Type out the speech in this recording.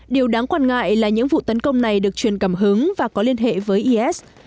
điều đáng quan ngại là những vụ tấn công này được truyền cảm hứng và có liên hệ với is